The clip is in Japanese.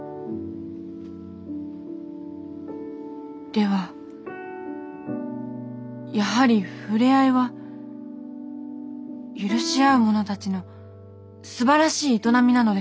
ではやはり触れ合いは許し合う者たちのすばらしい営みなのですね。